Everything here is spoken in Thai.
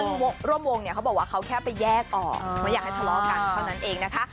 คือร่วมวงเนี่ยเขาบอกว่าเขาแค่ไปแยกออกไม่อยากให้ทะเลาะกันเท่านั้นเองนะคะ